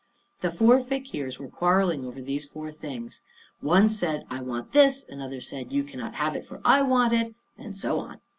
The four fakeers were quarreling over these four things. One said, "I want this;" another said, "You cannot have it, for I want it;" and so on.